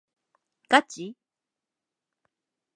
ガチ？